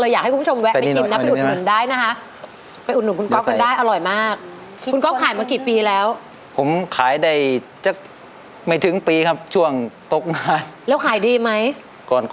อยากให้ไปลองนะคะตลาดนัดหัวสนามบิน